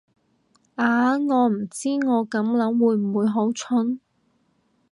啊，我唔知我咁諗會唔會好蠢